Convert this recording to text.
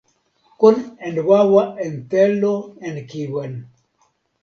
kon en wawa en telo en kiwen